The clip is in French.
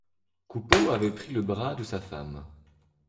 Coupeau avait pris le bras de sa femme.